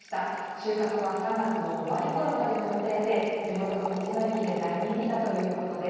収穫は３月の終わりころまでの予定で地元の道の駅で大人気だということです。